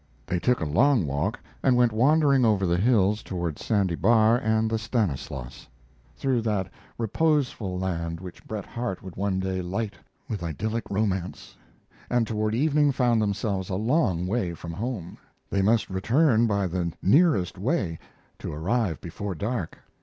They took a long walk, and went wandering over the hills, toward Sandy Bar and the Stanislaus through that reposeful land which Bret Harte would one day light with idyllic romance and toward evening found themselves a long way from home. They must return by the nearest way to arrive before dark.